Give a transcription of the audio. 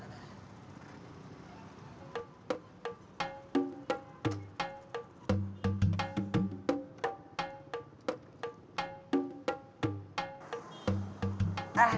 arah rojek berangkat